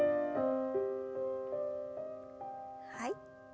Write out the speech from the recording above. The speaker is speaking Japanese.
はい。